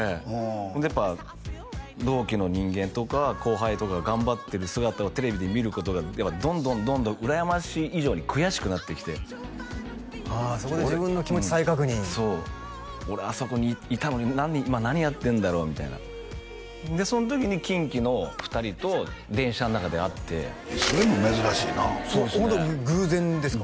ほんでやっぱ同期の人間とか後輩とかが頑張ってる姿をテレビで見ることがどんどんどんどん羨ましい以上に悔しくなってきてああそこで自分の気持ち再確認そう俺あそこにいたのに今何やってんだろうみたいなでその時にキンキの２人と電車の中で会ってそれも珍しいなホント偶然ですか？